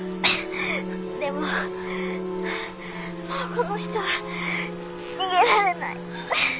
でももうこの人は逃げられない。